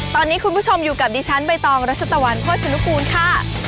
ตอนนี้คุณผู้ชมอยู่กับดิฉันใบตองรัชตะวันโภชนุกูลค่ะ